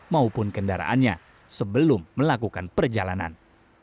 maupun kendaraannya sebelum melakukan perjalanan